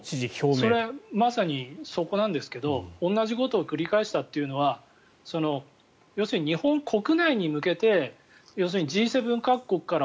それまさにそこなんですが同じことを繰り返したというのは要するに日本国内に向けてＧ７各国から